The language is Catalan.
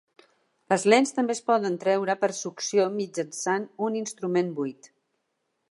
Les lents també es poden treure per succió mitjançant un instrument buit.